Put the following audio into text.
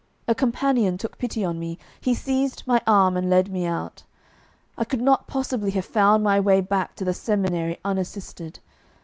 A companion took pity on me. He seized my arm and led me out. I could not possibly have found my way back to the seminary unassisted.